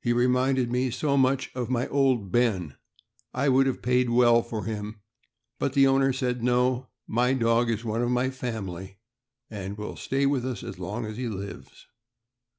He reminded me so much of my Old Ben, I would have paid well for him, but the owner said: "No, my dog is one of my family, and will stay with us as long as he lives."